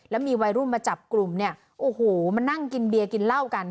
แล้วมีวัยรุ่นมาจับกลุ่มเนี่ยโอ้โหมานั่งกินเบียร์กินเหล้ากัน